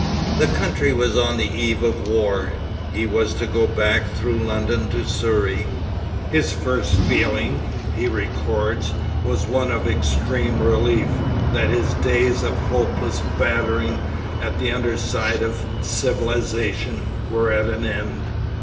The country was on the eve of war. He was to go back through London to Surrey. His first feeling, he records, was one of extreme relief that his days of 'hopeless battering at the underside of civilisation' were at an end.